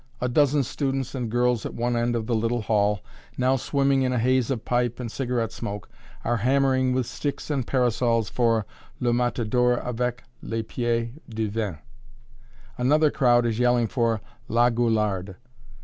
A dozen students and girls at one end of the little hall, now swimming in a haze of pipe and cigarette smoke, are hammering with sticks and parasols for "Le matador avec les pieds du vent"; another crowd is yelling for "La Goularde."